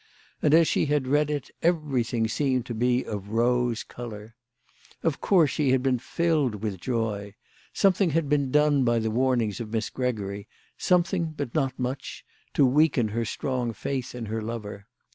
And as she had read it everything seemed to be of rose colour. Of course she had been filled with joy. Something had been done by the warnings of Miss Gregory, something, but not much, to weaken her strong faith in her lover.